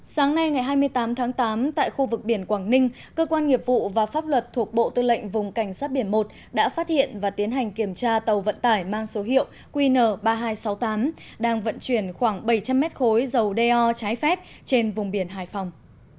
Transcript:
sáng nay ngày hai mươi tám tháng tám tại khu vực biển quảng ninh cơ quan nghiệp vụ và pháp luật thuộc bộ tư lệnh vùng cảnh sát biển một đã phát hiện và tiến hành kiểm tra tàu vận tải mang số hiệu qn ba nghìn hai trăm sáu mươi tám đang vận chuyển khoảng bảy trăm linh mét khối dầu đeo trái phép trên vùng biển hải phòng